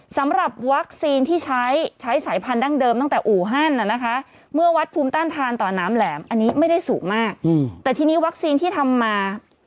สำหรับวัคซีนที่ใช้ใช้สายพันธุ์ดั้งเดิมตั้งแต่อู่ฮั่นนะคะ